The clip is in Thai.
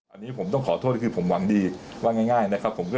อันนี้ผมต้องขอโทษคือผมหวังดีว่าง่ายนะครับ